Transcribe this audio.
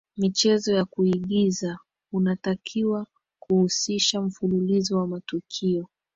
michezo ya kuigiza unatakiwa kuhusisha mfululizo wa matukio